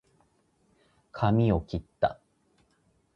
かみをきった